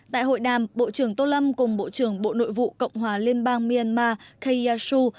tại hội đàm bộ trưởng tô lâm cùng bộ trưởng bộ nội vụ cộng hòa liên bang myanmar kayyashiu